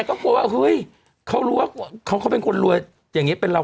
ก็กลัวว่าเฮ้ยเขารู้ว่าเขาเป็นคนรวยอย่างนี้เป็นเรา